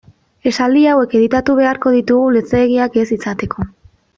Esaldi hauek editatu beharko ditugu luzeegiak ez izateko.